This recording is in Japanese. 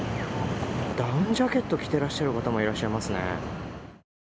ダウンジャケットを着ている方もいらっしゃいますね。